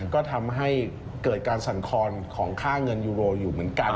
ก็ทำให้เกิดการสั่นครของค่าเงินยูโรอยู่เหมือนกัน